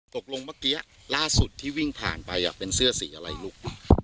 ตกลงเมื่อกี้ล่าสุดที่วิ่งผ่านไปเป็นเสื้อสีอะไรลูก